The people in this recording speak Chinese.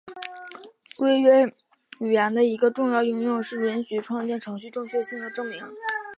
规约语言的一个重要应用是允许创建程序正确性的证明。